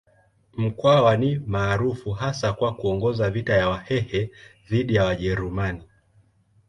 Mkwawa ni maarufu hasa kwa kuongoza vita vya Wahehe dhidi ya Wajerumani.